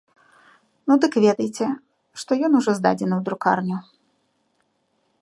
Ну дык ведайце, што ён ужо здадзены ў друкарню.